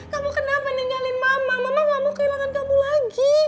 kamu kenapa ninggalin mama mama gak mau kehilangan kamu lagi